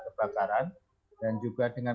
kebakaran dan juga dengan